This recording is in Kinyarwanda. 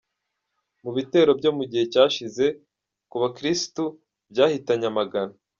Mu bitero byo mu gihe cyashize ku bakirisitu byahitanye amagana.